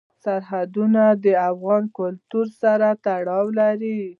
سرحدونه د افغان کلتور سره تړاو لري.